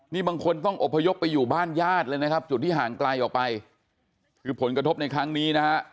นี่บางคนต้องอบพยพไปอยู่บ้านญาติเลยนะครับจุดที่ห่างไกลออกไปคือผลกระทบในครั้งนี้นะฮะ